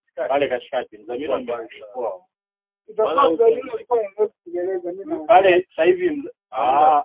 nchini ambao wanaweza kujibu vyema endapo wataulizwa swali la kupima bora wa msanii huyu